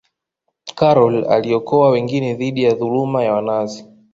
Karol aliokoa wengine dhidi ya dhuluma ya wanazi